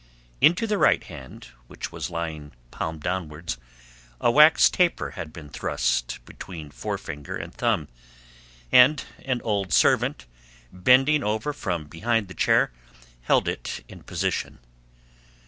Into the right hand, which was lying palm downwards, a wax taper had been thrust between forefinger and thumb, and an old servant, bending over from behind the chair, held it in position.